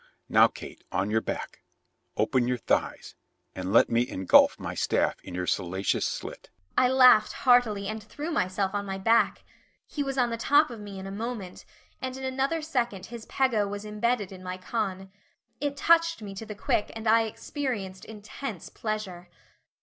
Now, Kate, on your back open your thighs, and let me engulf my staff in your salacious slit." I laughed heartily and threw myself on my back he was on the top of me in a moment, and in another second his pego was imbedded in my con. It touched me to the quick and I experienced intense pleasure.